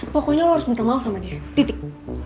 pokoknya lo harus minta maaf sama dia titik